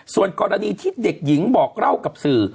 ส่วนกรณีที่เด็กหญิงบอกเล่ากับสื่อ